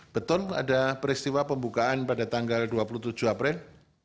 betul ada peristiwa pembukaan pada tanggal dua puluh tujuh april